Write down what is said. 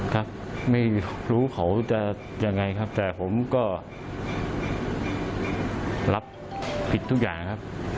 ครับไม่รู้เขาจะยังไงครับแต่ผมก็รับผิดทุกอย่างนะครับ